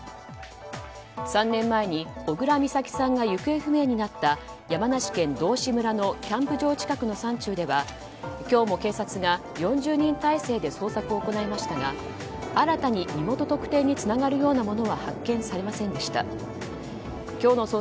３年前に小倉美咲さんが行方不明になった山梨県道志村のキャンプ場近くの山中では今日も警察が４０人態勢で捜索を行いましたが新たに身元特定につながるようなものは発見されませんでした。